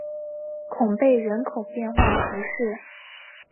孔贝人口变化图示